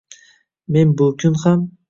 Men bukun ham